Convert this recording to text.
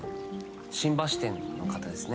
新橋店の方ですね。